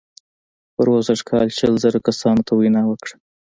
پروسږ کال شل زره کسانو ته وینا وکړه.